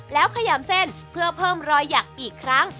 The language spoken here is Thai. แล้วขยำเส้นเพื่อเพิ่มรอยหยักอีกครั้ง